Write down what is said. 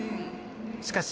しかし、